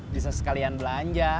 bisa sekalian belanja